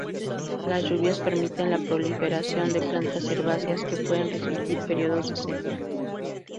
Las lluvias permiten la proliferación de plantas herbáceas que pueden resistir períodos de sequía.